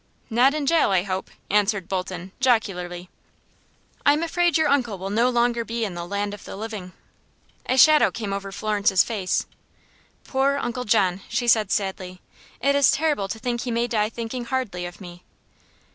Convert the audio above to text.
"Not in jail, I hope," answered Bolton, jocularly. "I am afraid your uncle will no longer be in the land of the living." A shadow came over Florence's face. "Poor Uncle John!" she said, sadly. "It is terrible to think he may die thinking hardly of me."